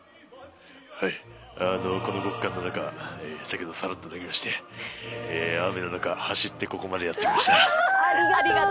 あの、この極寒の中、先ほどさらっと脱ぎまして雨の中、走ってここまでやってきました。